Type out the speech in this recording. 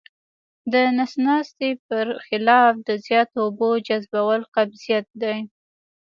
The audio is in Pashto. د نس ناستي پر خلاف د زیاتو اوبو جذبول قبضیت دی.